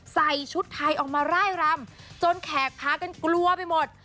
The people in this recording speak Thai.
ใส่ชุดไทยออกมาร่ายรำจนแขกพากันกลัวไปหมด